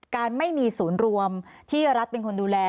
การไม่มีศูนย์รวมที่รัฐเป็นคนดูแล